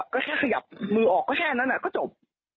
ก็แค่ขยับมือออกก็แค่นั้นก็จบ